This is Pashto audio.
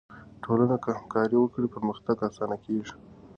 ټولنه که همکاري وکړي، پرمختګ آسانه کیږي.